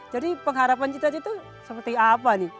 jadi pengharapan kita itu seperti apa nih